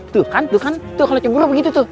tuh kan tuh kan tuh kalau cebur begitu tuh